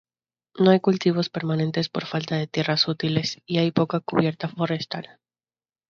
No hay cultivos permanentes por falta de tierras útiles y hay poca cubierta forestal.